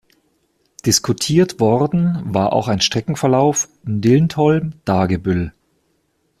Diskutiert worden war auch ein Streckenverlauf Lindholm–Dagebüll.